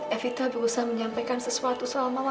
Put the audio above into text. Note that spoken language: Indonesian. evita berusaha menyampaikan sesuatu soal mama